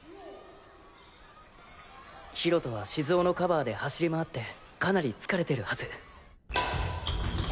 博人は静雄のカバーで走り回ってかなり疲れてるはず。